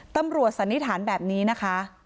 สันนิษฐานแบบนี้นะคะ